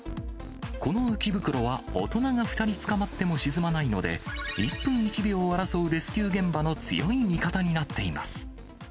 この浮き袋は大人が２人つかまっても沈まないので、一分一秒を争うレスキュー現場の強い味方になっています。